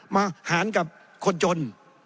มาหารกับคนจน